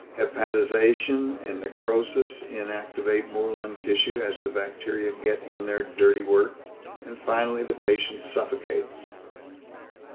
Hepatization and necrosis inactivate more lung tissue as the bacteria get in their dirty work, and finally the patient suffocates."